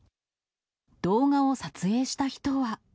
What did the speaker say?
動画を撮影した人は。